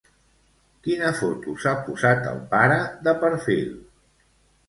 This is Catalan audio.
Quina foto s'ha posat el pare de perfil?